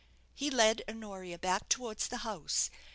He led Honoria back towards the house.